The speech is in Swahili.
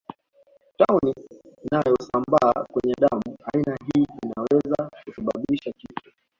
Tauni nayosambaa kwenye damu aina hii inaweza kusababisha kifo